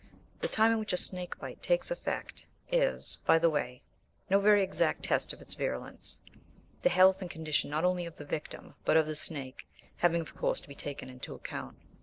The time in which a snake bite takes effect is, by the way, no very exact test of its virulence, the health and condition not only of the victim, but of the snake, having of course to be taken into account.